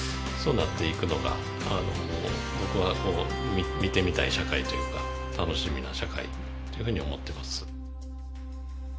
そうなっていくのがあの僕は見てみたい社会というか楽しみな社会っていうふうに思ってます。